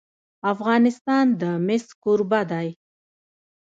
افغانستان د مس کوربه دی.